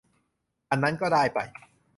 อันนั้นก็ได้ไป